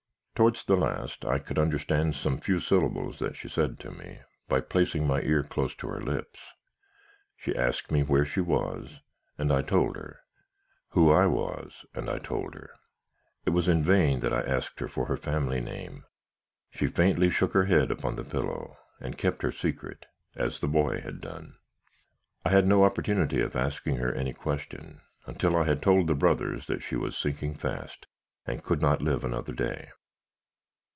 Towards the last, I could understand some few syllables that she said to me, by placing my ear close to her lips. She asked me where she was, and I told her; who I was, and I told her. It was in vain that I asked her for her family name. She faintly shook her head upon the pillow, and kept her secret, as the boy had done. "I had no opportunity of asking her any question, until I had told the brothers she was sinking fast, and could not live another day.